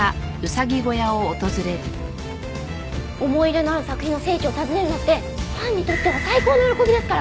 思い入れのある作品の聖地を訪ねるのってファンにとっては最高の喜びですから！